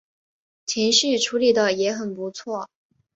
情绪处理的也很不错